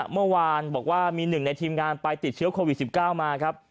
เมื่อวานบอกว่ามีหนึ่งในทีมงานไปติดเชื้อโควิด๑๙มาครับ